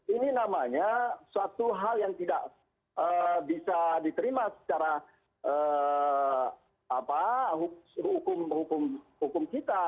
ini namanya suatu hal yang tidak bisa diterima secara hukum kita